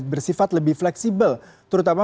bersifat lebih fleksibel terutama